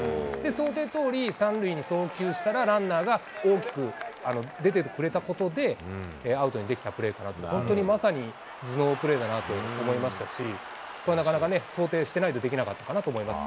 想定どおり３塁に送球したら、ランナーが大きく出ててくれたことで、アウトにできたプレーかなと、本当にまさに頭脳プレーだなと思いましたし、これ、なかなかね、想定してないとできなかったかなと思います。